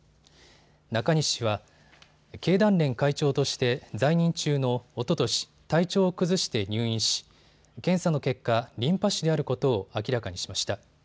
中西氏は経団連会長として在任中のおととし体調を崩して入院し検査の結果、リンパ種であることを明らかにしました。